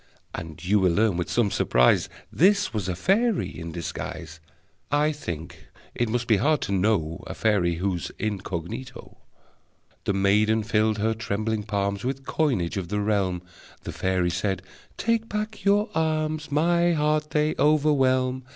And you will learn with some surprise This was a fairy in disguise! (I think it must be hard to know A fairy who's incognito!) The maiden filled her trembling palms With coinage of the realm. The fairy said: "Take back your alms! My heart they overwhelm.